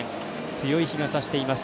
強い日がさしています。